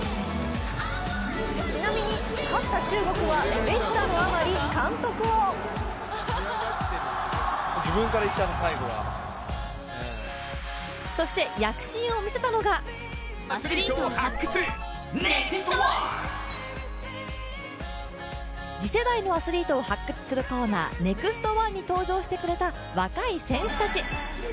ちなみに勝った中国はうれしさのあまり監督をそして躍進を見せたのが次世代のアスリートを発掘するコーナー、「ＮＥＸＴ☆１」に登場してくれた若い選手たち。